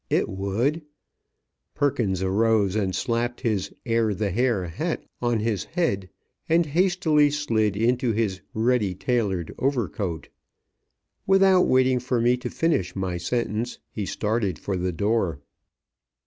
It would " Perkins arose and slapped his "Air the Hair" hat on his head, and hastily slid into his "ready tailored" overcoat. Without waiting for me to finish my sentence he started for the door.